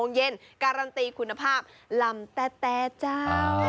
ตรงเย็นการันตีคุณภาพลำแต่แต่เจ้า